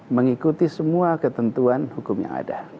mengikuti semua ketentuan hukum yang ada